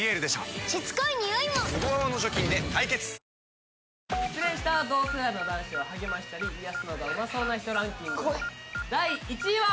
わかるぞ失恋した同世代の男子を励ましたり癒やすのがうまそうな人ランキング第１位は。